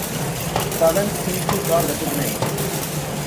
Seven species are recognized.